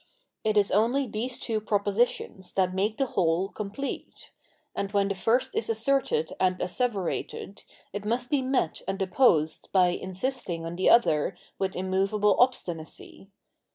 It is only these two propositions that make the whole com plete; and when the first is asserted and asseverated, it must be met and opposed by insisting on the other with immovable obstinacy.